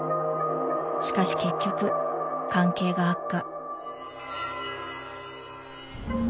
しかし結局関係が悪化。